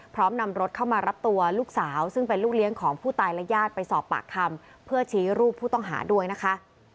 พร้อมนำรถเข้ามารับตัวลูกสาวซึ่งเป็นลูกเลี้ยงของผู้ตายและญาติไปสอบปากคำเพื่อชี้รูปผู้ต้องหาด้วยนะคะ